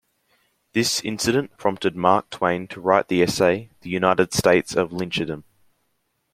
This incident prompted Mark Twain to write the essay "The United States of Lyncherdom".